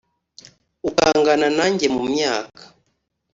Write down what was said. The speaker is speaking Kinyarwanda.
ukangana nanjye mu myaka